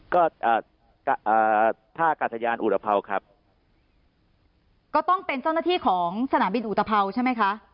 ก็อ่าท่ากาศยานอุตภัวครับก็ต้องเป็นเจ้าหน้าที่ของสนามบินอุตภัวร์ใช่ไหมคะ